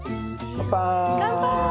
乾杯！